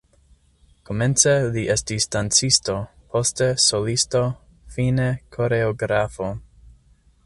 Komence li estis dancisto, poste solisto, fine koreografo.